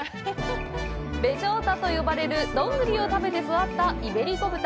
ベジョータと呼ばれる、ドングリを食べて育ったイベリコ豚。